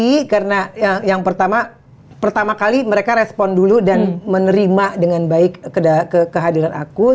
kerja kita dan kita bersama sama dan akan menjaga ke kehadiran kita kita juga akan lebih baik dari bila bila dari kita dan kita akan berhubungan dengan kita dan kita akan menjaga ke kehadiran kita